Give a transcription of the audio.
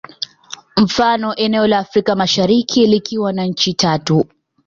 Mfano eneo la Afrika Mashariki likiwa na nchi tatu